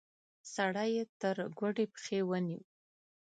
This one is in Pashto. سړی يې تر ګوډې پښې ونيو.